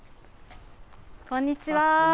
こんにちは。